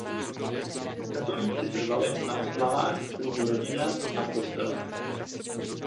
Katolíci trvali na oslavách v kruhu rodinném a v kostelech.